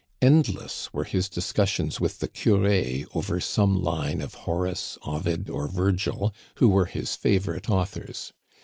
Endless were his discussions with the curé over some line of Horace, Ovid, or Virgil, who were his fa vorite authors.